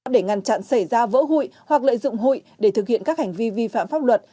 để ngăn chặn xảy ra vỡ hụi hoặc lợi dụng hụi để thực hiện các hành vi vi phạm pháp luật